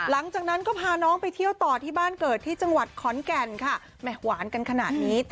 หลังจากนั้นก็พาน้องไปเที่ยวต่อที่บ้านเกิดที่จังหวัดขอนแก่นค่ะหวานกันขนาดนี้